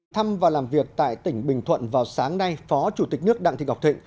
thăm và làm việc tại tỉnh bình thuận vào sáng nay phó chủ tịch nước đặng thị ngọc thịnh